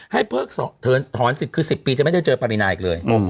เพิกถอนสิทธิ์คือ๑๐ปีจะไม่ได้เจอปรินาอีกเลย